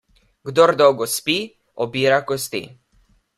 Kdor dolgo spi, obira kosti.